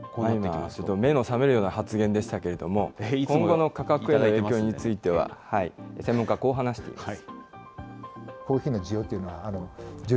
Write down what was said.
目の覚めるような発言でしたけれども、今後の価格への影響については、専門家、こう話しています。